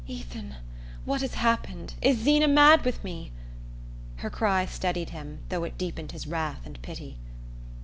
"Ethan, what has happened? Is Zeena mad with me?" Her cry steadied him, though it deepened his wrath and pity.